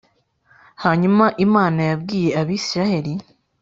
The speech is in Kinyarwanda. Hanyuma Imana yabwiye Abisirayeli.